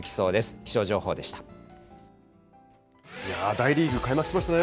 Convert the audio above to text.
大リーグ開幕しましたね。